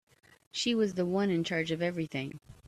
She was the one in charge of everything.